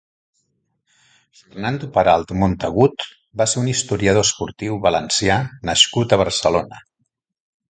Fernando Peralt Montagut va ser un historiador esportiu valencià nascut a Barcelona.